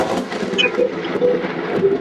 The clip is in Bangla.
আমার একটা খালি সিগারেট লাগবে।